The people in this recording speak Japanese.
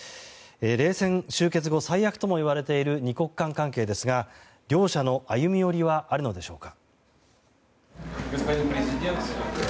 冷戦終結後、最悪とも言われている２国間関係ですが両者の歩み寄りはあるのでしょうか。